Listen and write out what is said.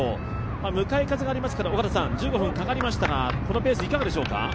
向かい風がありますから１５分かかりましたが、このペースいかがでしたか？